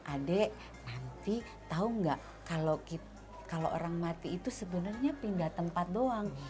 adek nanti tau gak kalau orang mati itu sebenarnya pindah tempat doang